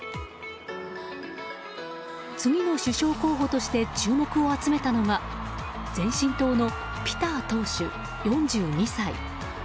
次の首相候補として注目を集めたのが前進党のピター党首、４２歳。